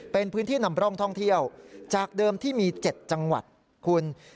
เป็นพื้นที่นำร่องท่องเที่ยวจากเดิมที่มี๗จังหวัดคุณ